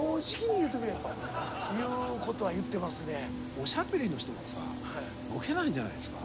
おしゃべりの人はさボケないんじゃないですか？